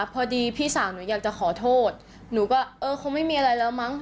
พี่สาวหนูอยากจะขอโทษหนูก็เออคงไม่มีอะไรแล้วมั้ง